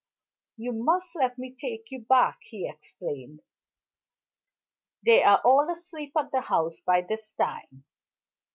"You must let me take you back," he explained. "They are all asleep at the house by this time.